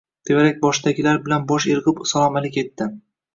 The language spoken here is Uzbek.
Tevarak-boshdagilar bilan bosh irg‘ab salom-alik etdi.